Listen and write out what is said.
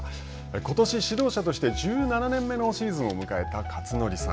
ことし指導者として１７年目のシーズンを迎えた克則さん。